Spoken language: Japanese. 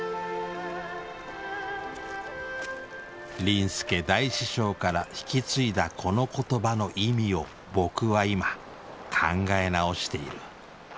林助大師匠から引き継いだこの言葉の意味を僕は今考え直している。